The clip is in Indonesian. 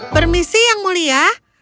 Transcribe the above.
permisi yang mulia